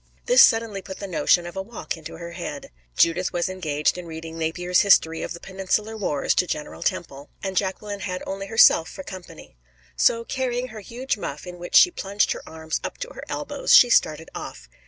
This suddenly put the notion of a walk into her head. Judith was engaged in reading Napier's History of the Peninsular Wars to General Temple, and Jacqueline had only herself for company. So, carrying her huge muff in which she plunged her arms up to her elbows, she started off.